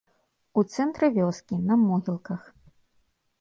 У цэнтры вёскі, на могілках.